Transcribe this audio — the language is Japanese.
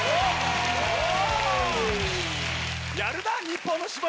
やるな！